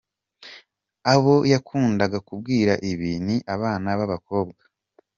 Abo yakundaga kubwira ibi, ni abana b’abakobwa .